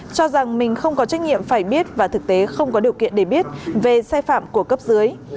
cho rằng mình không có trách nhiệm phải biết và thực tế không có điều kiện để biết về sai phạm của cấp dưới